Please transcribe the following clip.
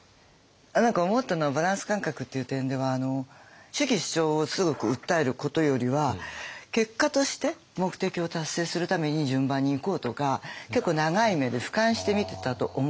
何か思ったのはバランス感覚っていう点では主義主張をすごく訴えることよりは結果として目的を達成するために順番にいこうとか結構長い目で俯瞰して見てたと思うんですね。